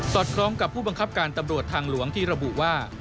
คล้องกับผู้บังคับการตำรวจทางหลวงที่ระบุว่า